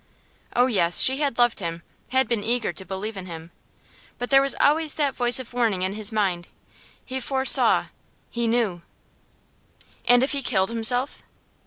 Oh yes, she had loved him, had been eager to believe in him. But there was always that voice of warning in his mind; he foresaw he knew And if he killed himself?